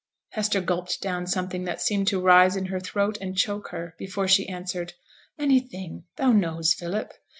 Hester gulped down something that seemed to rise in her throat and choke her, before she answered. 'Anything, thou knows, Philip.'